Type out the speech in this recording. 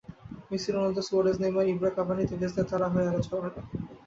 Messi, Ronaldo, Suarez, Neymar, Ibra, Cavani, তেভেজদের তারা হয়ে আলো ছড়ানো।